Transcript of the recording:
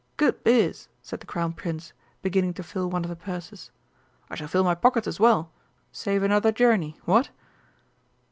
"Good biz!" said the Crown Prince, beginning to fill one of the purses. "I shall fill my pockets as well save another journey, what?"